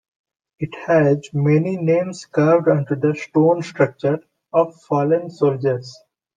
It has many names carved onto the stone structure, of fallen soldiers.